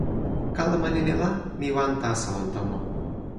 kalama lili la, mi wan taso lon tomo.